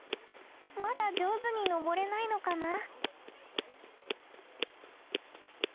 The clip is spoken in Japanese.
まだ上手に登れないのかな。